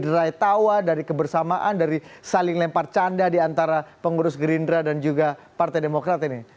derai tawa dari kebersamaan dari saling lempar canda diantara pengurus gerindra dan juga partai demokrat ini